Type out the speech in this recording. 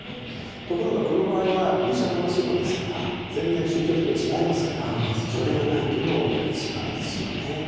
ところがこの場合はギリシャ・ローマ神話ですから全然宗教的に違いますからそれがないというのは大きな違いですよね。